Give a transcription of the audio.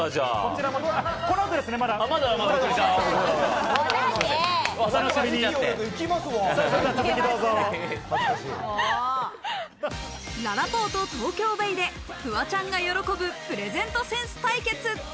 ららぽーとＴＯＫＹＯ−ＢＡＹでフワちゃんが喜ぶプレゼントセンス対決。